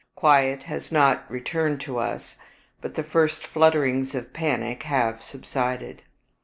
Quiet has not returned to us, but the first flutterings of panic have subsided.